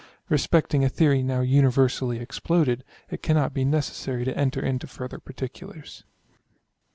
Respecting a theory now universally exploded, it cannot be necessary to enter into further particulars.